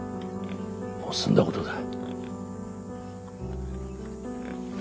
もう済んだことだ。